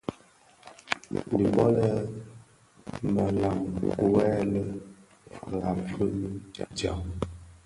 Dhi bō lè më lami wuèle firab fi djaň.